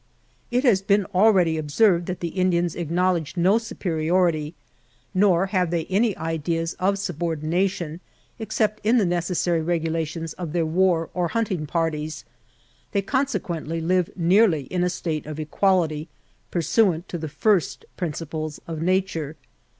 "It has been already observed that the Indians acknowl edge no superiority; nor have they any ideas of subordina tion, except in the necessary regulations of their war or hun ting parties; they consequently live nearly in a state of equal ity, pursuant to the first principles of nature.